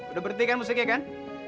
udah berhenti kan musik nya kan